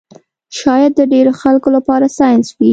شاید د ډېرو خلکو لپاره ساینس وي